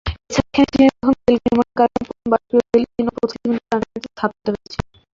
এছাড়া এখানেই চীনের প্রথম রেলগাড়ি নির্মাণ কারখানা, প্রথম বাষ্পীয় রেল ইঞ্জিন, ও প্রথম সিমেন্ট কারখানাটি স্থাপিত হয়েছিল।